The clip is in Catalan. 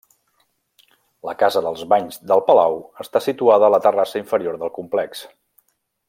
La casa dels banys del palau està situada a la terrassa inferior del complex.